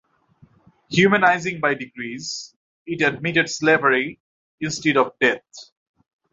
Humanizing by degrees, it admitted slavery instead of death.